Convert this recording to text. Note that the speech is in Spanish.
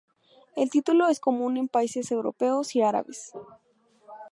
El título es común en países europeos y árabes.